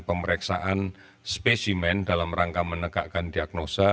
pemeriksaan spesimen dalam rangka menegakkan diagnosa